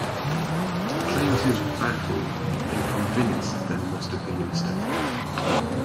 He claimed he was "baffled" and "convinced there must have been a mistake".